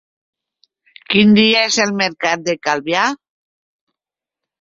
Quin dia és el mercat de Calvià?